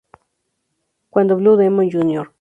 Cuando Blue Demon Jr.